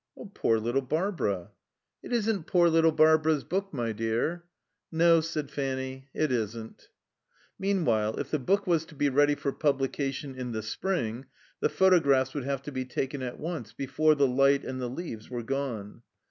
"Poor little Barbara!" "It isn't poor little Barbara's book, my dear." "No," said Fanny. "It isn't." Meanwhile, if the book was to be ready for publication in the spring, the photographs would have to be taken at once, before the light and the leaves were gone.